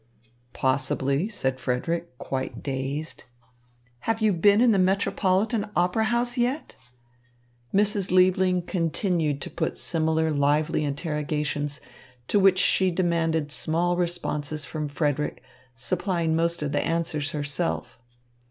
"Possibly," said Frederick, quite dazed. "Have you been in the Metropolitan Opera House yet?" Mrs. Liebling continued to put similar lively interrogations, to which she demanded small responses from Frederick, supplying most of the answers herself.